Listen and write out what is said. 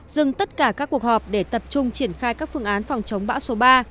dừng tất cả các cuộc họp để tập trung triển khai các phương án phòng chống bão số ba